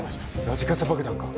ラジカセ爆弾か？